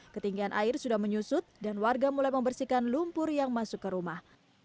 ketinggian air sudah menyusut dan warga mulai membersihkan lumpur yang masuk ke rumah